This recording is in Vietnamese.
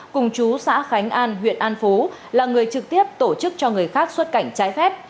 cùng chú xã khánh an huyện an phú là người trực tiếp tổ chức cho người khác xuất cảnh trái phép